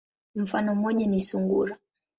Mfano moja ni sungura.